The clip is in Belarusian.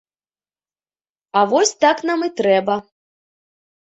А вось так нам і трэба.